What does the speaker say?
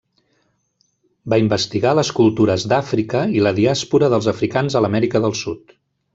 Va investigar les cultures d'Àfrica i la diàspora dels africans a l'Amèrica del Sud.